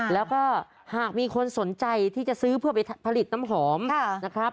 แล้วก็หากมีคนสนใจที่จะซื้อเพื่อไปผลิตน้ำหอมนะครับ